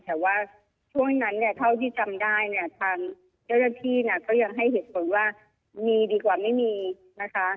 แต่ว่าช่วงนั้นเนี่ยเท่าที่จำได้เนี่ยทางเจ้าหน้าที่เนี่ยก็ยังให้เหตุผลว่ามีดีกว่าไม่มีนะคะ